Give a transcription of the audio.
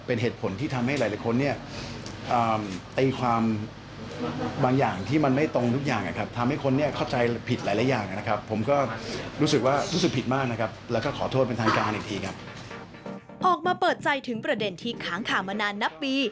ออกมาเปิดใจถึงประเด็นที่ค้างข่าวมานานนับปี